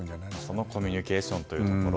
そのコミュニケーションというところ。